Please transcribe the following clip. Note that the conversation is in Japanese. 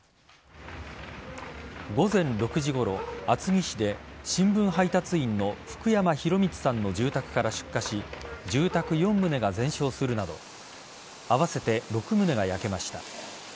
午前６時ごろ、厚木市で新聞配達員の福山博允さんの住宅から出火し住宅４棟が全焼するなど合わせて６棟が焼けました。